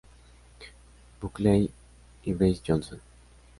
Buckley y Bryce Johnson.